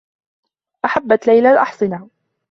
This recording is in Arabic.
أحبّت ليلى الأحصنة.